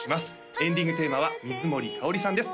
エンディングテーマは水森かおりさんです